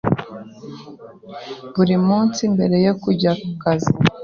buri munsi mbere yo kujya ku kazi,